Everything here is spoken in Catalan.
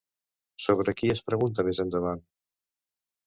Sobre qui es pregunta més endavant?